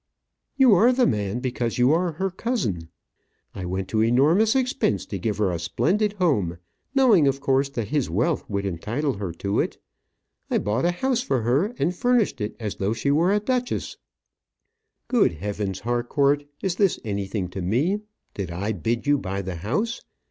"You are the man, because you are her cousin. I went to enormous expense to give her a splendid home, knowing, of course, that his wealth would entitle her to it. I bought a house for her, and furnished it as though she were a duchess " "Good heavens, Harcourt! Is this anything to me? Did I bid you buy the house?